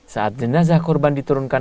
saat jenazah korban diturunkan